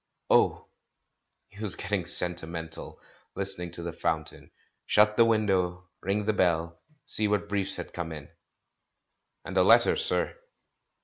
Oh! he was getting sentimental, listening to the fountain. Shut the window, ring the bell, see what briefs had come in ! "And a letter, sir."